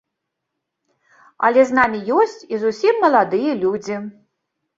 Але з намі ёсць і зусім маладыя людзі.